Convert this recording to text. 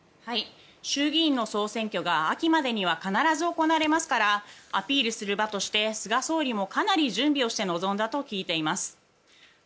衆議院の総選挙が秋までに必ず行われますからアピールする場として菅総理もかなり準備をして臨んだと聞いています。